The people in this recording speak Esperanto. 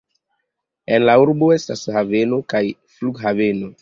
En la urbo estas haveno kaj flughaveno.